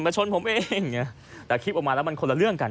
ชนผมเองแต่คลิปออกมาแล้วมันคนละเรื่องกัน